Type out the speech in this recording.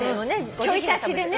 ちょい足しでね。